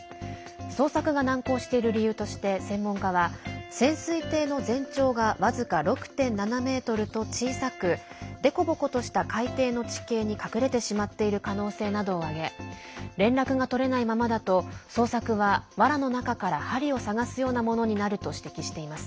捜索が難航している理由として専門家は潜水艇の全長が僅か６．７ｍと小さく凸凹とした海底の地形に隠れてしまっている可能性などを挙げ連絡が取れないままだと捜索は、わらの中から針を探すようなものになると指摘しています。